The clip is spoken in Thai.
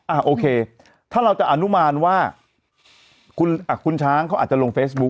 โอเคถ้าเราจะอนุมานว่าคุณช้างเขาอาจจะลงเฟซบุ๊ค